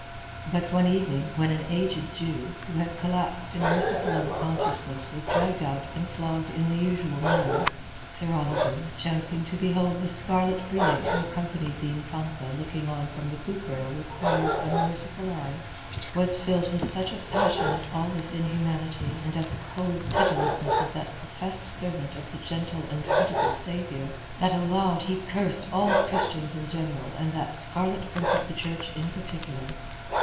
But one evening when an aged Jew who had collapsed in merciful unconsciousness was dragged out and flogged in the usual manner, Sir Oliver, chancing to behold the scarlet prelate who accompanied the Infanta looking on from the poop rail with hard unmerciful eyes, was filled with such a passion at all this inhumanity and at the cold pitilessness of that professed servant of the Gentle and Pitiful Saviour, that aloud he cursed all Christians in general and that scarlet Prince of the Church in particular.